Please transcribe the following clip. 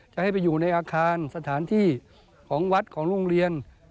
จะให้ไปอยู่ในอาคารสถานที่ของวัดของโรงเรียน